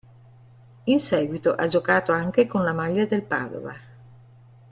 In seguito ha giocato anche con la maglia del Padova.